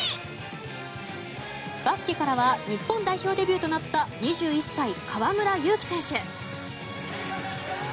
バスケからは日本代表デビューとなった２１歳、河村勇輝選手。